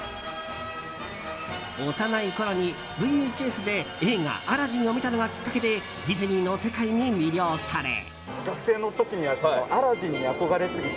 幼いころにＶＨＳで映画「アラジン」を見たのがきっかけでディズニーの世界に魅了され。